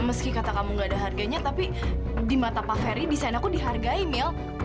meski kata kamu gak ada harganya tapi di mata pak ferry desain aku dihargai mil